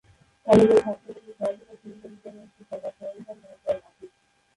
কলেজের ছাত্রদেরকে খেলাধুলার সুবিধা দিতে রয়েছে একটি খেলার সরঞ্জাম ধার দেয়ার অফিস।